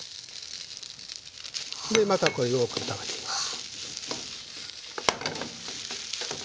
でまたこれよく炒めていきます。